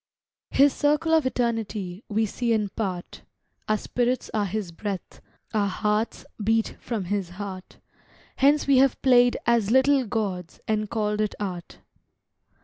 His circle of eternity We see in part; Our spirits are his breath, our hearts Beat from his heart; Hence we have played as little gods And called it art.